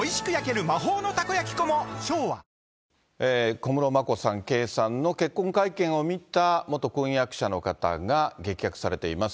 小室眞子さん、圭さんの結婚会見を見た元婚約者の方が、激白されています。